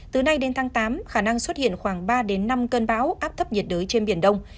từ nay đến tháng tám khả năng xuất hiện khoảng ba đến năm cơn bão áp thấp nhiệt đới trên biển đông